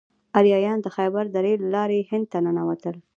آریایان د خیبر درې له لارې هند ته ننوتل.